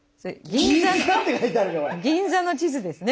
銀座の地図ですね。